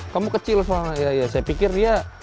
kamu kecil soalnya ya ya saya pikir dia